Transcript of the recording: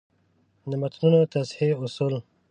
د متونو د تصحیح اصول: